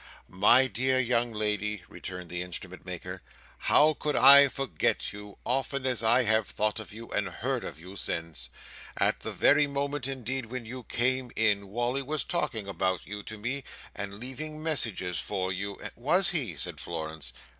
"My dear young lady," returned the Instrument maker, "how could I forget you, often as I have thought of you and heard of you since! At the very moment, indeed, when you came in, Wally was talking about you to me, and leaving messages for you, and—" "Was he?" said Florence.